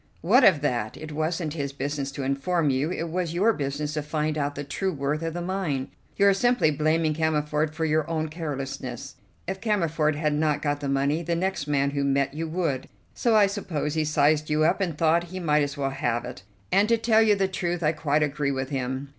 "What of that? It wasn't his business to inform you; it was your business to find out the true worth of the mine. You are simply blaming Cammerford for your own carelessness. If Cammerford had not got the money, the next man who met you would; so I suppose he sized you up, and thought he might as well have it, and, to tell you the truth, I quite agree with him.